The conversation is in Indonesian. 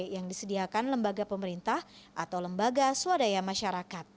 yang disediakan lembaga pemerintah atau lembaga swadaya masyarakat